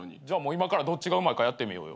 今からどっちがうまいかやってみようよ。